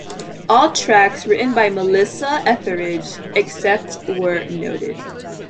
All tracks written by Melissa Etheridge, except where noted.